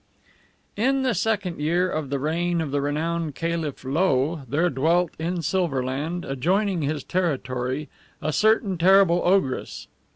In the second year of the reign of the renowned Caliph Lo there dwelt in SILVER LAND, adjoining his territory, a certain terrible ogress.